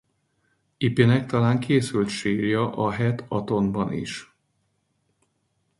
Ipinek talán készült sírja Ahet-Atonban is.